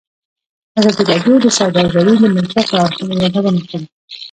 ازادي راډیو د سوداګري د مثبتو اړخونو یادونه کړې.